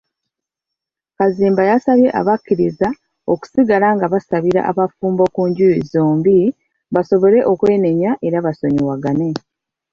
Kazimba yasabye abakkiriza okusigala nga basabira abafumbo ku njuyi zombi basobole okwenenya era basonyiwagane.